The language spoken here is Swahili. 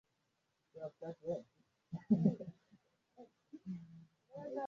Sehemu zinazopokea mvua nyingi ziko karibu na pwani